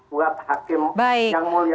buat hakim yang mulia